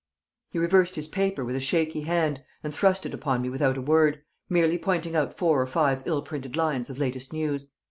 He reversed his paper with a shaky hand, and thrust it upon me without a word, merely pointing out four or five ill printed lines of latest news.